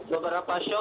beberapa yang shock